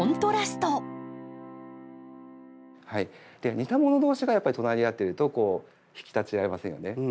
似たもの同士がやっぱり隣り合ってると引き立ち合いませんよね。